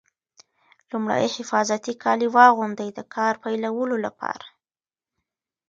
لومړی حفاظتي کالي واغوندئ د کار پیلولو لپاره.